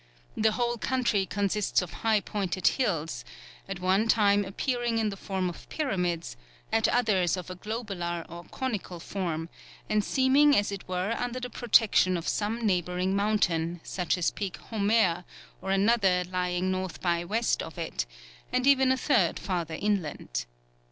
The whole country consists of high pointed hills, at one time appearing in the form of pyramids, at others of a globular or conical form, and seeming as it were under the protection of some neighbouring mountain, such as Peak Homer, or another lying north by west of it, and even a third farther inland.